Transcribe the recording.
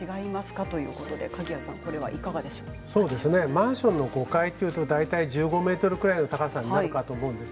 マンションの５階というと大体１５ｍぐらいの高さになるかと思います。